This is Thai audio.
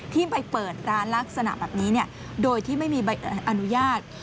ที่ไปเปิดร้านลักษณะแบบนี้โดยที่ไม่มีใบอนุญาต